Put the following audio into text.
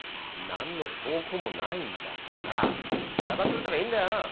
何の証拠もないんだからしらばっくれてりゃいいんだよ。